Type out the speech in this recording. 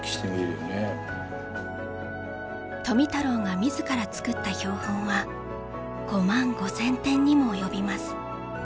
富太郎が自ら作った標本は５万５，０００点にも及びます。